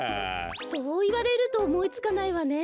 そういわれるとおもいつかないわね。